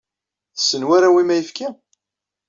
Tessen warraw-im ayefki?